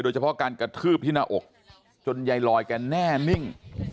เฉพาะการกระทืบที่หน้าอกจนยายลอยแกแน่นิ่ง